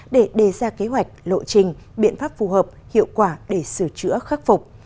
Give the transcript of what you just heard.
để đề ra kế hoạch lộ trình biện pháp phù hợp hiệu quả để sửa chữa khắc phục